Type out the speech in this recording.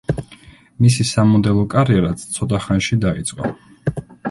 მისი სამოდელო კარიერაც ცოტა ხანში დაიწყო.